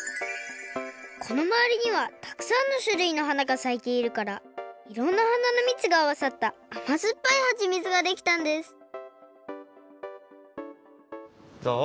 このまわりにはたくさんのしゅるいの花がさいているからいろんな花のみつがあわさったあまずっぱいはちみつができたんですじゃあ